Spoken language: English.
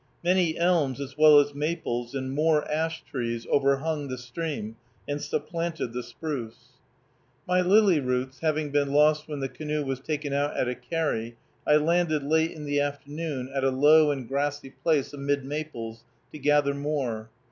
Many elms, as well as maples, and more ash trees, overhung the stream, and supplanted the spruce. My lily roots having been lost when the canoe was taken out at a carry, I landed late in the afternoon, at a low and grassy place amid maples, to gather more.